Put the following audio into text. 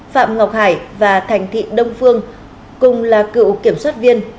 phạm ngọc hải và thành thị đông phương cùng là cựu kiểm soát viên